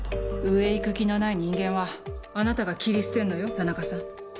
上行く気のない人間はあなたが切り捨てんのよ田中さん。